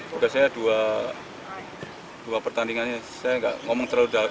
tugas saya dua pertandingannya saya nggak ngomong terlalu jauh